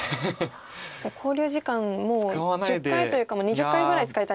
確かに考慮時間もう１０回というか２０回ぐらい使いたい。